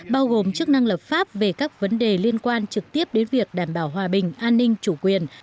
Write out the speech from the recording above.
bao gồm chức năng lập pháp về các vấn đề liên quan trực tiếp đến việc đảm bảo hòa bình an ninh chủ quyền